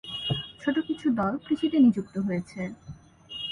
ছোট কিছু দল কৃষিতে নিযুক্ত হয়েছে।